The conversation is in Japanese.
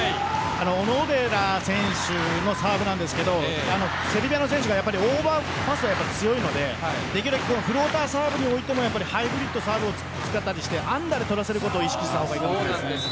小野寺選手のサーブなんですがセルビアの選手がオーバーパス強いのでできるだけフローターサーブにおいてもハイブリッドサーブを使ったりしてアンダーで取らせることを意識した方がいいと思います。